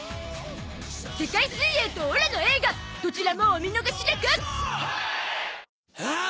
世界水泳とオラの映画どちらもお見逃しなく！